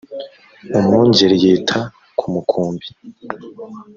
umwungeri yita ku mukumbi